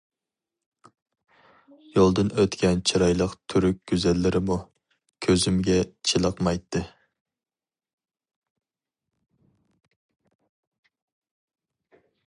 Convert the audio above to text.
يولدىن ئۆتكەن چىرايلىق تۈرك گۈزەللىرىمۇ كۆزۈمگە چېلىقمايتتى.